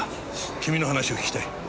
君の話を聞きたい。